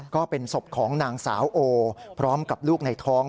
ก็เป็นศพของนางสาวโอพร้อมกับลูกในท้อง